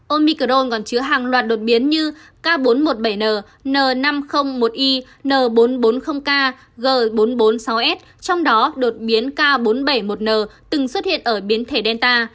omicron còn chứa hàng loạt đột biến như k bốn trăm một mươi bảy n năm trăm linh một i n bốn trăm bốn mươi k g bốn trăm bốn mươi sáu s trong đó đột biến k bốn trăm bảy mươi một n từng xuất hiện ở biến thể delta